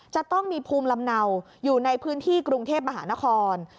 จะต้องมีภูมิลำเนาอยู่ในพื้นที่กรุงเทพมหานคร